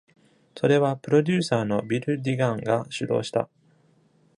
それは、プロデューサーのビル・デュガンが主導した。